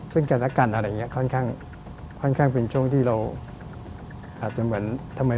ซึ่งอาการอะไรงี้ค่อนข้างเป็นช่วงที่เราทำเองมันเยอะมาก